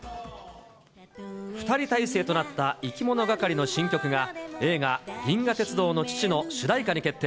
２人体制となったいきものがかりの新曲が、映画、銀河鉄道の父の主題歌に決定。